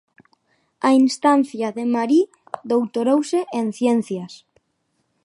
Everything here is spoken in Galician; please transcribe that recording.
A instancia de Marie doutorouse en ciencias.